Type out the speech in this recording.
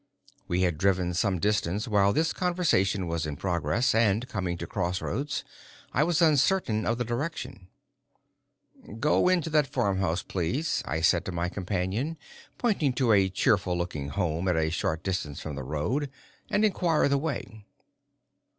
We had driven some distance while this conversation was in progress, and coming to cross roads, I was uncertain of the direction. "Go in to that farmhouse, please," I said to my companion, pointing to a cheerful looking home a short distance from the road, "and inquire the way?"